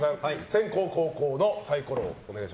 先攻、後攻のサイコロ